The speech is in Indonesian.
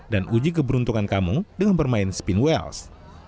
dan uji keberuntungan kamu dengan bermain spin wheels